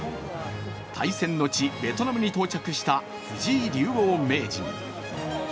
対戦の地、ベトナムに到着した藤井竜王名人。